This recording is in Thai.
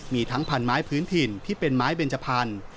มีทั้งพันไม้พื้นถิ่นที่เป็นไม้เบนจพันธุ์